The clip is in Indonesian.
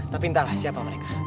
tapi entahlah siapa mereka